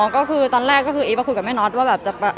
ก็คือตอนแรกก็คืออีฟมาคุยกับแม่น็อตว่าแบบจะ